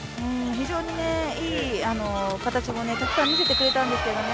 非常にいい形もたくさん見せてくれたんですけどね。